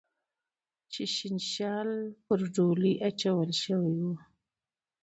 چې شین شال پر ډولۍ اچول شوی و